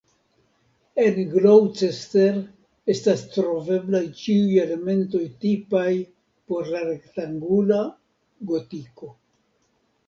En Gloucester estas troveblaj ĉiuj elementoj tipaj por la rektangula gotiko.